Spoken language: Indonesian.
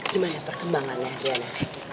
gimana perkembangannya adriana